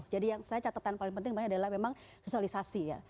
jadi yang saya catatan paling penting adalah memang sosialisasi ya